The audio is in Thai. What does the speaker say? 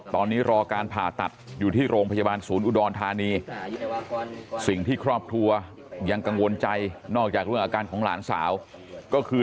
ตอนนี้รอการผ่าตัดอยู่ที่โรงพยาบาลศูนย์อุดรธานีสิ่งที่ครอบครัวยังกังวลใจนอกจากเรื่องอาการของหลานสาวก็คือ